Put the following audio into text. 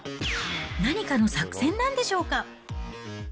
何かの作戦なんでしょうか。